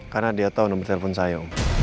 karena dia tau nomer telepon saya